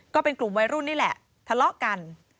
ก็เป็นกลุ่มวัยรุ่นนี่แหละทะเลาะกัน